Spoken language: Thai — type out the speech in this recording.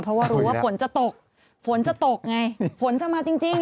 เพราะว่ารู้ว่าฝนจะตกฝนจะตกไงฝนจะมาจริง